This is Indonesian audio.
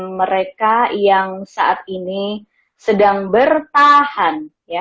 mereka yang saat ini sedang bertahan